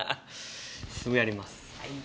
すぐやります。